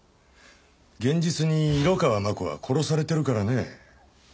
現実に色川真子は殺されてるからね。